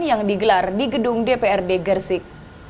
yang digelar di gedung dprd gersik